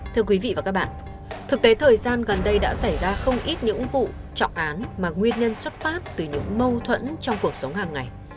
thưa quý vị và các bạn thực tế thời gian gần đây đã xảy ra không ít những vụ trọng án mà nguyên nhân xuất phát từ những mâu thuẫn trong cuộc sống hàng ngày